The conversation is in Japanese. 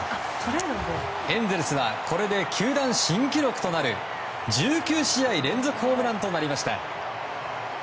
エンゼルスはこれで球団新記録となる１９試合連続ホームランとなりました。